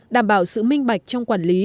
đảm bảo sự minh bạch trong quản lý